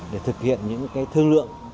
để thực hiện những thương lượng